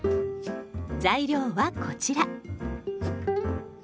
材料はこちら。